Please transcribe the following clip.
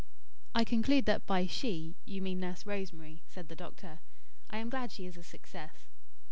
"I conclude that by 'she' you mean Nurse Rosemary," said the doctor. "I am glad she is a success."